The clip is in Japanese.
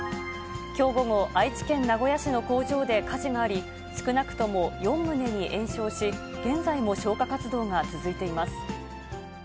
きょう午後、愛知県名古屋市の工場で火事があり、少なくとも４棟に延焼し、現在も消火活動が続いています。